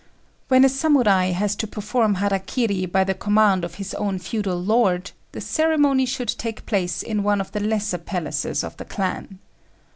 When a Samurai has to perform hara kiri by the command of his own feudal lord, the ceremony should take place in one of the lesser palaces of the clan.